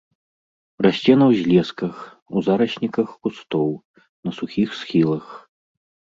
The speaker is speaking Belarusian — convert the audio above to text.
Расце на ўзлесках, у зарасніках кустоў, на сухіх схілах.